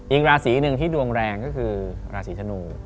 อีกราศีหนึ่งที่ดวงแรงก็คือราศีธนู